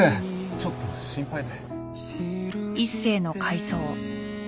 ちょっと心配で。